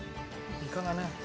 イカがね。